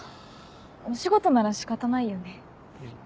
お仕事なら仕方ないよね。